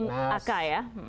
untuk akal ya